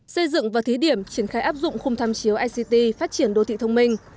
xây dựng và thí điểm triển khai áp dụng khung tham chiếu ict phát triển đô thị thông minh